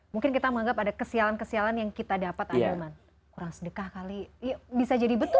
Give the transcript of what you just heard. mungkin kita menganggap ada kesialan kesialan yang kita dapat